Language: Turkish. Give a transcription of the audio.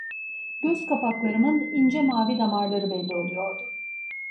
Göz-kapaklarmın ince mavi damarları belli oluyordu.